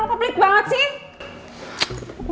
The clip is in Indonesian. lo keplik banget sih